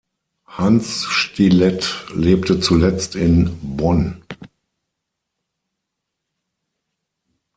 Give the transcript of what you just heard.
Hans Stilett lebte zuletzt in Bonn.